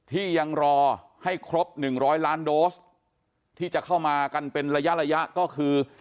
ที่ยังรอให้ครบ๑๐๐ล้านโดสที่จะเข้ามากันเป็นระยะระยะก็คือ